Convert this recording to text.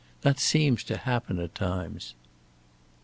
That seems to happen at times."